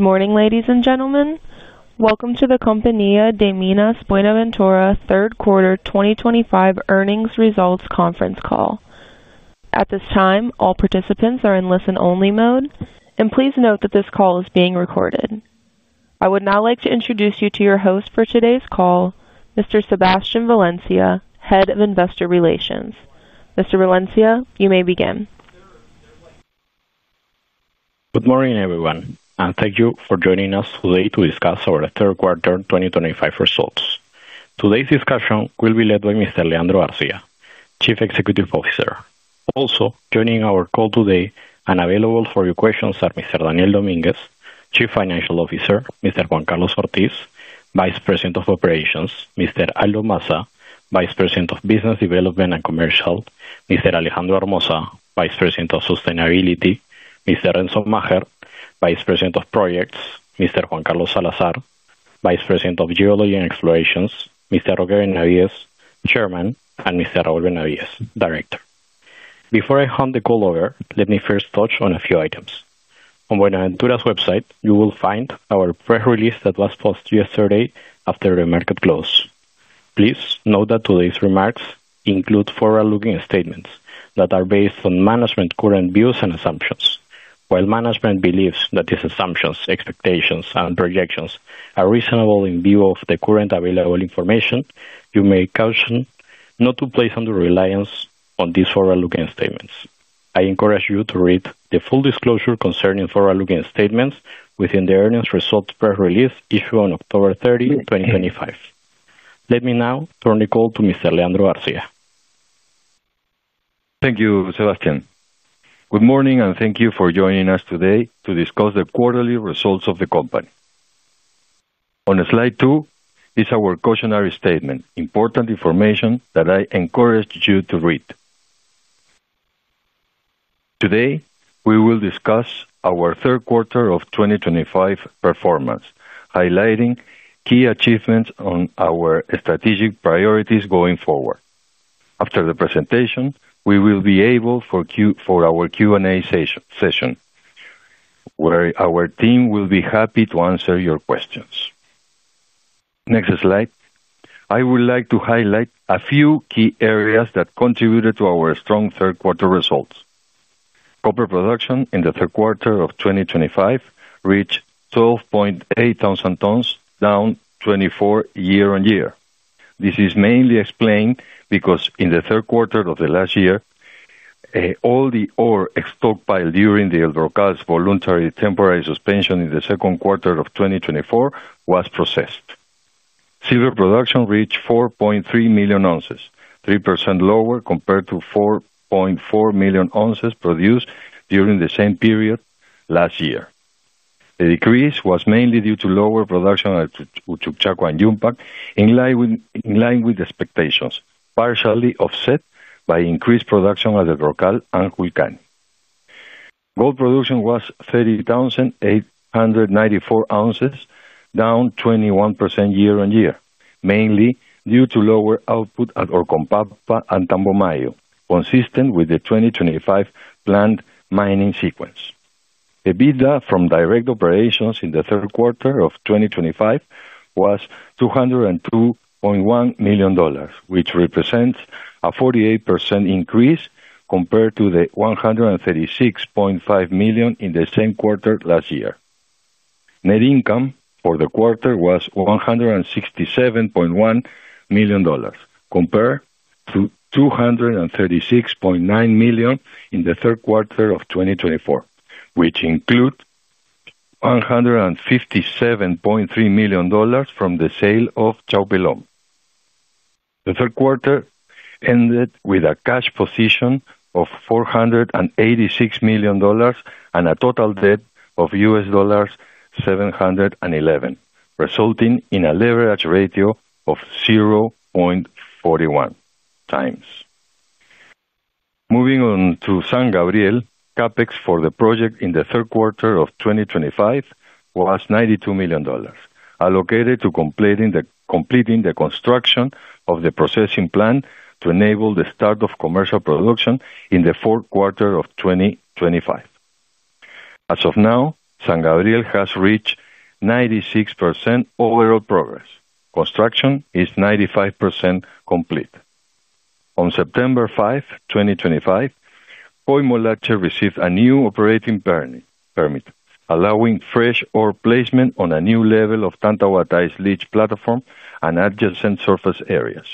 Good morning, ladies and gentlemen. Welcome to the Compañía de Minas Buenaventura Third Quarter 2025 Earnings Results Conference Call. At this time, all participants are in listen-only mode, and please note that this call is being recorded. I would now like to introduce you to your host for today's call, Mr. Sebastián Valencia, Head of Investor Relations. Mr. Valencia, you may begin. Good morning, everyone, and thank you for joining us today to discuss our Third Quarter 2025 results. Today's discussion will be led by Mr. Leandro García, Chief Executive Officer. Also joining our call today and available for your questions are Mr. Daniel Dominguez, Chief Financial Officer; Mr. Juan Carlos Ortiz, Vice President of Operations; Mr. Aldo Massa, Vice President of Business Development and Commercial; Mr. Alejandro Hermoza, Vice President of Sustainability; Mr. Renzo Macher, Vice President of Projects; Mr. Juan Carlos Salazar, Vice President of Geology and Explorations; Mr. Roger Benavidez, Chairman; and Mr. Raúl Benavidez, Director. Before I hand the call over, let me first touch on a few items. On Buenaventura's website, you will find our press release that was posted yesterday after the market close. Please note that today's remarks include forward-looking statements that are based on management's current views and assumptions. While management believes that these assumptions, expectations, and projections are reasonable in view of the current available information, you may caution not to place undue reliance on these forward-looking statements. I encourage you to read the full disclosure concerning forward-looking statements within the earnings results press release issued on October 30, 2025. Let me now turn the call to Mr. Leandro García. Thank you, Sebastián. Good morning, and thank you for joining us today to discuss the quarterly results of the company. On slide two is our cautionary statement, important information that I encourage you to read. Today, we will discuss our Third Quarter of 2025 performance, highlighting key achievements on our strategic priorities going forward. After the presentation, we will be able for our Q&A session, where our team will be happy to answer your questions. Next slide. I would like to highlight a few key areas that contributed to our strong Third Quarter results. Copper production in the Third Quarter of 2025 reached 12,800 tons, down 24% year-on-year. This is mainly explained because in the Third Quarter of last year, all the ore stockpiled during the El Brocal's voluntary temporary suspension in the Second Quarter of 2024 was processed. Silver production reached 4.3 million ounces, 3% lower compared to 4.4 million ounces produced during the same period last year. The decrease was mainly due to lower production at Uchucchacua and Yumpag, in line with expectations, partially offset by increased production at El Brocal and Julcani. Gold production was 30,894 ounces, down 21% year-on-year, mainly due to lower output at Orcopampa and Tambomayo, consistent with the 2025 planned mining sequence. EBITDA from direct operations in the Third Quarter of 2025 was $202.1 million, which represents a 48% increase compared to the $136.5 million in the same quarter last year. Net income for the quarter was $167.1 million, compared to $236.9 million in the Third Quarter of 2024, which included $157.3 million from the sale of Chaupiloma. The Third Quarter ended with a cash position of $486 million and a total debt of $711 million, resulting in a leverage ratio of 0.41X. Moving on to San Gabriel, CapEx for the project in the Third Quarter of 2025 was $92 million, allocated to completing the construction of the processing plant to enable the start of commercial production in the Fourth Quarter of 2025. As of now, San Gabriel has reached 96% overall progress. Construction is 95% complete. On September 5, 2025, Coimolache received a new operating permit, allowing fresh ore placement on a new level of tantawatized leach platform and adjacent surface areas.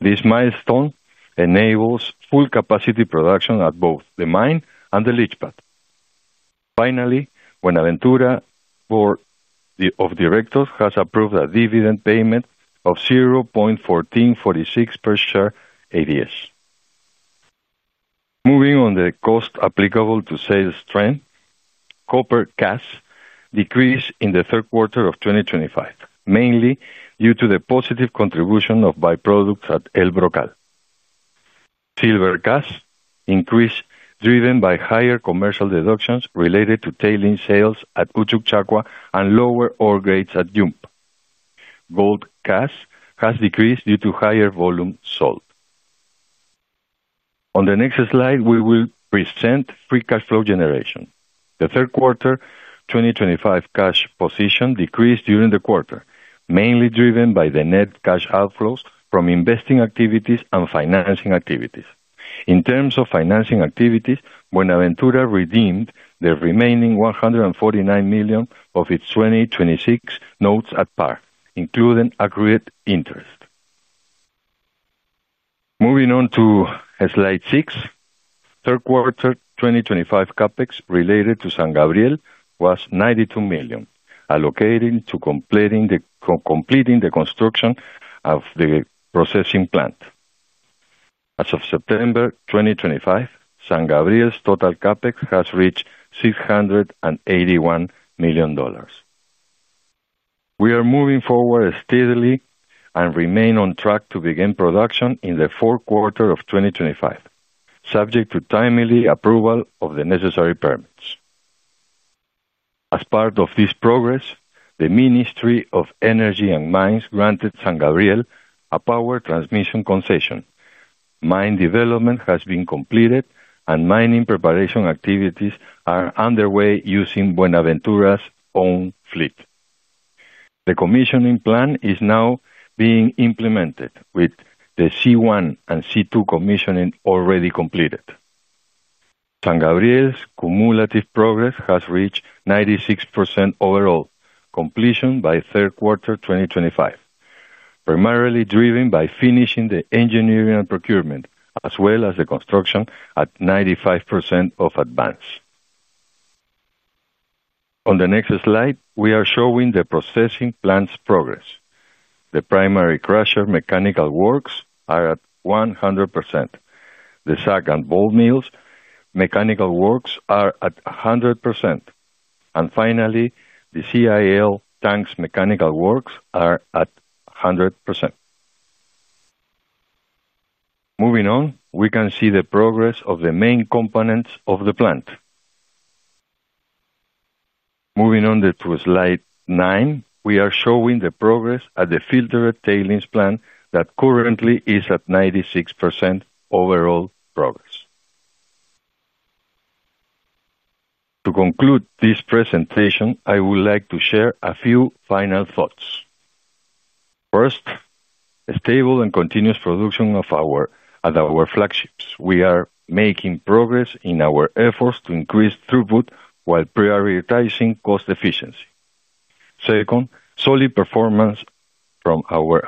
This milestone enables full capacity production at both the mine and the leach pad. Finally, Buenaventura Board of Directors has approved a dividend payment of $0.1446 per ADS. Moving on, the cost applicable to sales strength, copper CAS decreased in the third quarter of 2025, mainly due to the positive contribution of byproducts at El Brocal. Silver CAS increased, driven by higher commercial deductions related to tailing sales at Uchucchacua and lower ore grades at Yumpag. Gold CAS has decreased due to higher volume sold. On the next slide, we will present free cash flow generation. The third quarter 2025 cash position decreased during the quarter, mainly driven by the net cash outflows from investing activities and financing activities. In terms of financing activities, Buenaventura redeemed the remaining $149 million of its 2026 notes at par, including aggregate interest. Moving on to slide six, third quarter 2025 CapEx related to San Gabriel was $92 million, allocated to completing the construction of the processing plant. As of September 2025, San Gabriel's total CapEx has reached $681 million. We are moving forward steadily and remain on track to begin production in the fourth quarter of 2025, subject to timely approval of the necessary permits. As part of this progress, the Ministry of Energy and Mines granted San Gabriel a power transmission concession. Mine development has been completed, and mining preparation activities are underway using Buenaventura's own fleet. The commissioning plan is now being implemented, with the C1 and C2 commissioning already completed. San Gabriel's cumulative progress has reached 96% overall completion by third quarter 2025, primarily driven by finishing the engineering and procurement, as well as the construction at 95% of advance. On the next slide, we are showing the processing plant's progress. The primary crusher mechanical works are at 100%. The SAG and bowl mills mechanical works are at 100%. Finally, the CIL tanks mechanical works are at 100%. Moving on, we can see the progress of the main components of the plant. Moving on to slide nine, we are showing the progress at the filtered tailings plant that currently is at 96% overall progress. To conclude this presentation, I would like to share a few final thoughts. First, stable and continuous production at our flagships. We are making progress in our efforts to increase throughput while prioritizing cost efficiency. Second, solid performance from our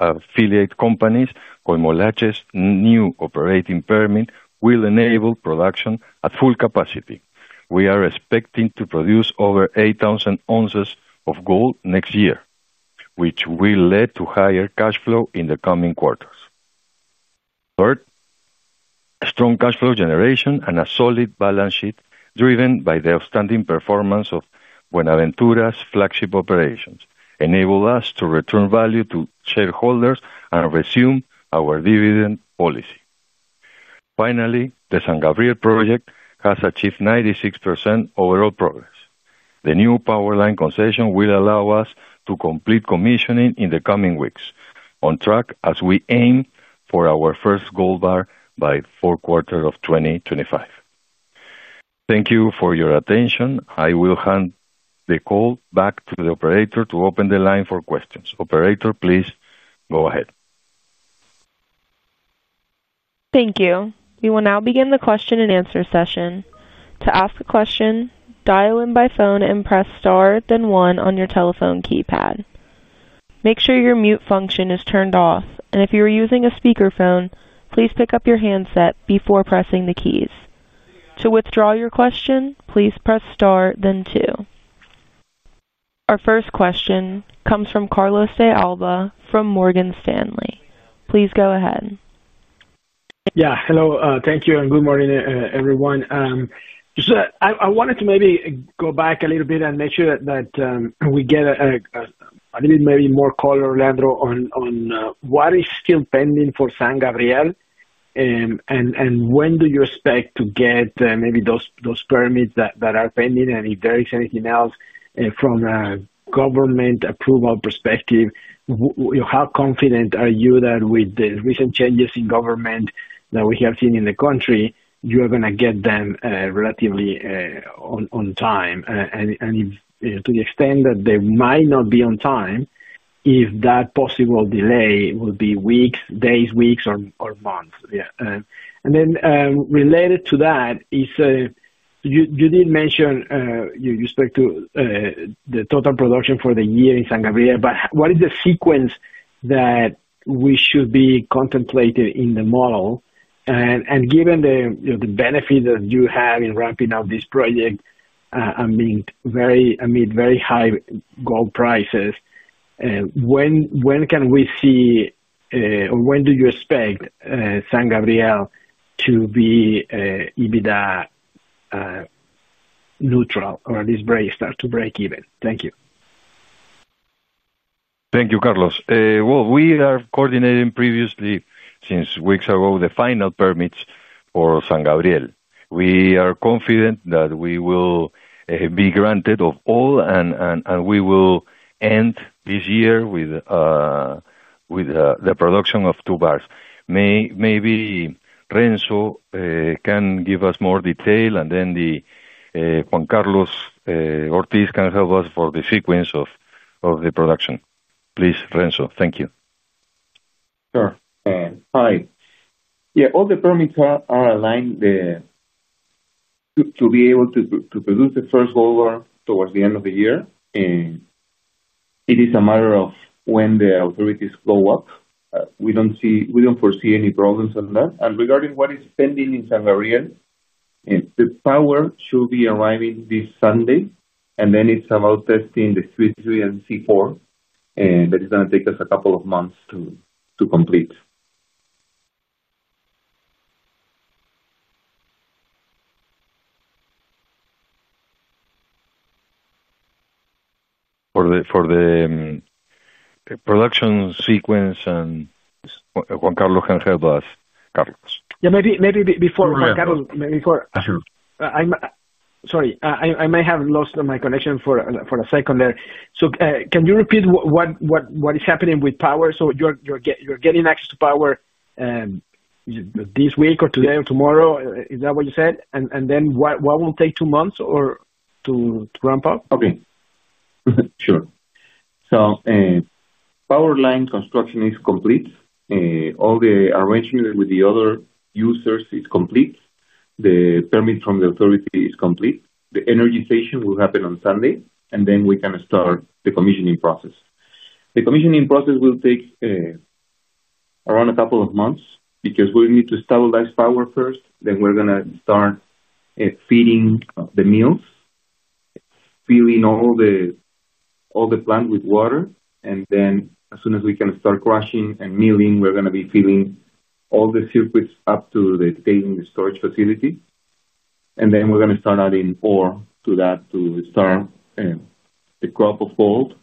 affiliate companies. Coimolache's new operating permit will enable production at full capacity. We are expecting to produce over 8,000 ounces of gold next year, which will lead to higher cash flow in the coming quarters. Third, strong cash flow generation and a solid balance sheet driven by the outstanding performance of Buenaventura's flagship operations enable us to return value to shareholders and resume our dividend policy. Finally, the San Gabriel project has achieved 96% overall progress. The new power line concession will allow us to complete commissioning in the coming weeks, on track as we aim for our first gold bar by fourth quarter of 2025. Thank you for your attention. I will hand the call back to the operator to open the line for questions. Operator, please go ahead. Thank you. We will now begin the question-and-answer session. To ask a question, dial in by phone and press star, then one on your telephone keypad. Make sure your mute function is turned off, and if you are using a speakerphone, please pick up your handset before pressing the keys. To withdraw your question, please press star, then two. Our first question comes from Carlos De Alba from Morgan Stanley. Please go ahead. Yeah, hello. Thank you and good morning, everyone. I wanted to maybe go back a little bit and make sure that we get a little bit maybe more call, Leandro, on what is still pending for San Gabriel. When do you expect to get maybe those permits that are pending? If there is anything else from a government approval perspective, how confident are you that with the recent changes in government that we have seen in the country, you are going to get them relatively on time? To the extent that they might not be on time, if that possible delay will be days, weeks, or months? Related to that, you did mention you spoke to the total production for the year in San Gabriel, but what is the sequence that we should be contemplating in the model? Given the benefit that you have in ramping up this project and meet very high gold prices, when can we see, or when do you expect San Gabriel to be EBITDA neutral or at least start to break even? Thank you. Thank you, Carlos. We are coordinating previously since weeks ago the final permits for San Gabriel. We are confident that we will be granted all, and we will end this year with the production of two bars. Maybe Renzo can give us more detail, and then Juan Carlos Ortiz can help us for the sequence of the production. Please, Renzo, thank you. Sure. Hi. Yeah, all the permits are aligned to be able to produce the first gold bar towards the end of the year. It is a matter of when the authorities go up. We don't foresee any problems on that. Regarding what is pending in San Gabriel, the power should be arriving this Sunday, and then it's about testing the C3 and C4. That is going to take us a couple of months to complete. For the production sequence, Juan Carlos can help us, Carlos. Yeah, maybe before Juan Carlos. Yeah, sure. Sorry, I might have lost my connection for a second there. Can you repeat what is happening with power? You're getting access to power this week, or today or tomorrow, is that what you said? What will take two months to ramp up? Okay. Sure. Power line construction is complete. All the arrangements with the other users is complete. The permit from the authority is complete. The energy station will happen on Sunday, and then we can start the commissioning process. The commissioning process will take around a couple of months because we need to stabilize power first. We're going to start feeding the mills, filling all the plant with water, and as soon as we can start crushing and milling, we're going to be filling all the circuits up to the tailing storage facility. We're going to start adding ore to that to start the crop of gold,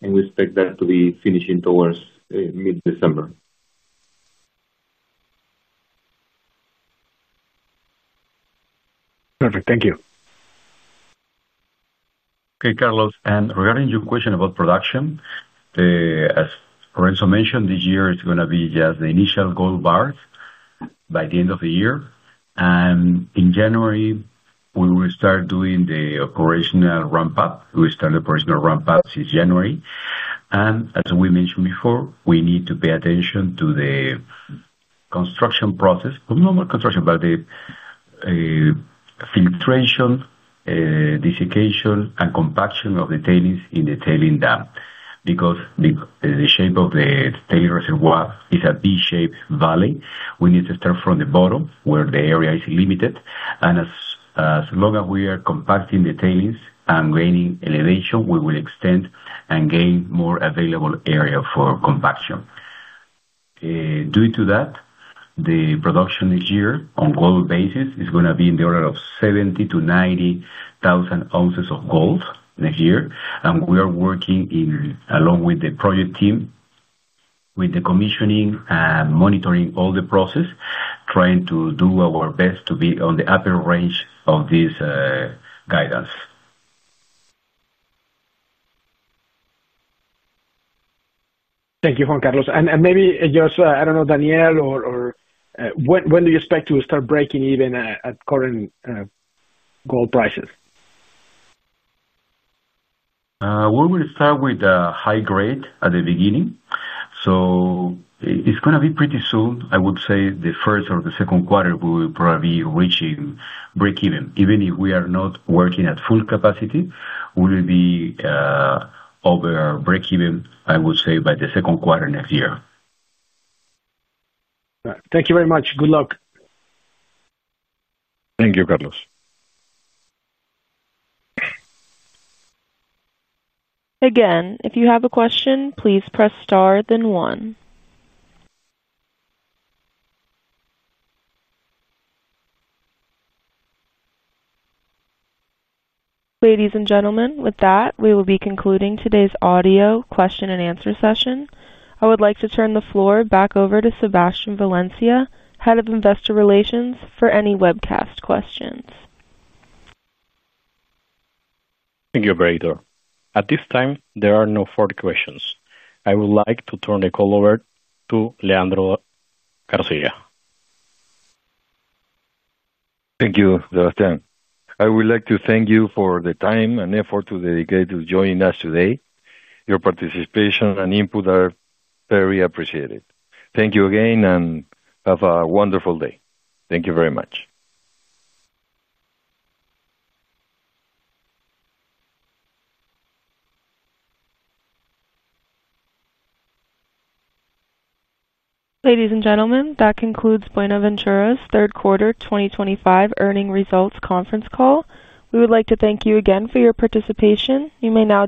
and we expect that to be finishing towards mid-December. Perfect. Thank you. Okay, Carlos. Regarding your question about production, as Renzo Macher mentioned, this year is going to be just the initial gold bars by the end of the year. In January, we will start doing the operational ramp-up. We started operational ramp-up since January. As we mentioned before, we need to pay attention to the construction process, not construction, but the filtration, desiccation, and compaction of the tailings in the tailing dam. Because the shape of the tailing reservoir is a V-shaped valley, we need to start from the bottom where the area is limited. As long as we are compacting the tailings and gaining elevation, we will extend and gain more available area for compaction. Due to that, the production this year on a gold basis is going to be in the order of 70,000 to 90,000 ounces of gold next year. We are working along with the project team with the commissioning and monitoring all the process, trying to do our best to be on the upper range of this guidance. Thank you, Juan Carlos. Maybe just, I don't know, Daniel, when do you expect to start breaking even at current gold prices? We will start with a high grade at the beginning. It's going to be pretty soon. I would say the first or the second quarter we will probably be reaching break-even. Even if we are not working at full capacity, we will be over break-even, I would say, by the second quarter next year. Thank you very much. Good luck. Thank you, Carlos. Again, if you have a question, please press star, then one. Ladies and gentlemen, with that, we will be concluding today's audio question and answer session. I would like to turn the floor back over to Sebastián Valencia, Head of Investor Relations, for any webcast questions. Thank you, operator. At this time, there are no further questions. I would like to turn the call over to Leandro García. Thank you, Sebastián. I would like to thank you for the time and effort to dedicate to joining us today. Your participation and input are very appreciated. Thank you again and have a wonderful day. Thank you very much. Ladies and gentlemen, that concludes Buenaventura's Third Quarter 2025 Earnings Results Conference Call. We would like to thank you again for your participation. You may now.